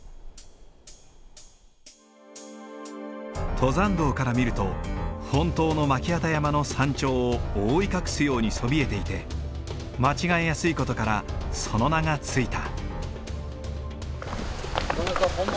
登山道から見ると本当の巻機山の山頂を覆い隠すようにそびえていて間違えやすい事からその名が付いた。